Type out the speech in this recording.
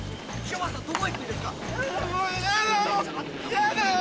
やだよ。